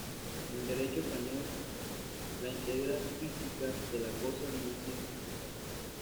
En el Derecho español la entrega física de la cosa no es siempre necesaria.